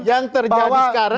yang terjadi sekarang